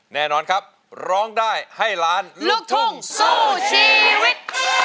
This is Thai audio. แน่นอนครับร้องได้ให้ล้านลูกทุ่งสู้ชีวิต